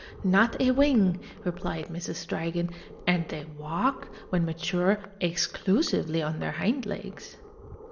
"Not a wing!" replied Mrs. Dragon. "And they walk, when mature, exclusively on their hind legs."